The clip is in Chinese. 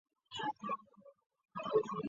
然而哈里发易卜拉欣不被承认。